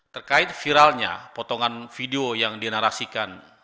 terkait viralnya potongan video yang dinarasikan